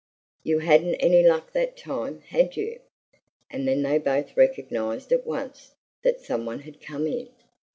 "You hadn't any luck that time, had you?" And then they both recognized at once that some one had come in.